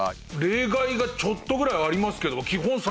例外がちょっとぐらいありますけど。